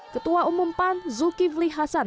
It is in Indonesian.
ketua umum pan zulkifli hasan